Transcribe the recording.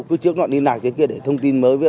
cứ chiếc nhọn liên lạc kia kia để thông tin mới